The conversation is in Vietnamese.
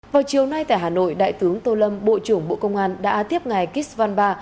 vào chiều nay tại hà nội đại tướng tô lâm bộ trưởng bộ công an đã tiếp ngài kisvanba